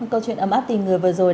câu chuyện ấm áp tìm người vừa rồi